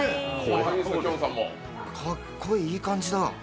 かっこいい、いい感じだ。